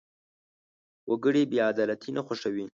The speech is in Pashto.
وګړي بېعدالتي نه خوښوي.